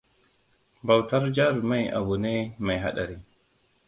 Bautar jarumai abu ne mai haɗari.